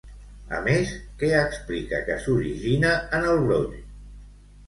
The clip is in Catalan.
A més, què explica que s'origina en el broll?